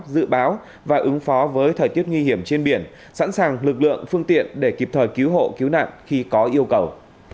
dự báo và ứng phó với thời tiết nguy hiểm trên biển sẵn sàng lực lượng phương tiện để kịp thời cứu hộ cứu nạn khi có yêu cầu